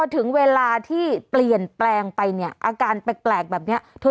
ถึงเวลาที่เปลี่ยนแปลงไปเนี่ยอาการแปลกแบบนี้เธอ